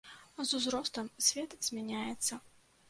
З узростам свет змяняецца.